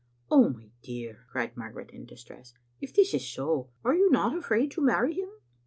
"Oh, my dear," cried Margaret, in distress, "if this is so, are you not afraid to marry him?"